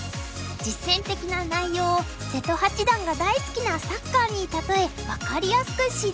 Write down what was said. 実戦的な内容を瀬戸八段が大好きなサッカーに例え分かりやすく指導。